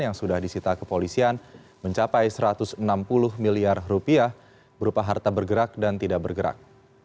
yang sudah disita kepolisian mencapai satu ratus enam puluh miliar rupiah berupa harta bergerak dan tidak bergerak